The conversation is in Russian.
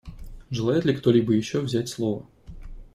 Желает ли кто-либо еще взять слово?